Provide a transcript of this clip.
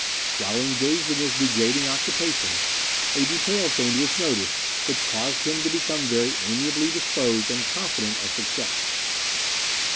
While engaged in this degrading occupation, a detail came to his notice which caused him to become very amiably disposed and confident of success.